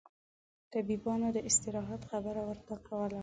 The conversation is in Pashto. طبيبانو داستراحت خبره ورته کوله.